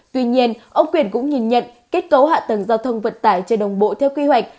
tuy nhiên ông quyền cũng nhìn nhận kết cấu hạ tầng giao thông vận tải chưa đồng bộ theo quy hoạch